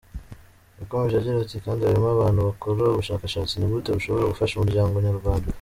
Yakomeje agira ati “Kandi harimo abantu bakora ubushakashatsi, ni gute bushobora gufasha umuryango nyarwanda?.